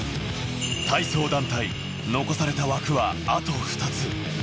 体操団体、残された枠はあと２つ。